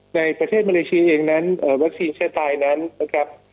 ในประเทศมาเลเซียเองนั้นวัคซีนเชื้อตายนั้นนะครับ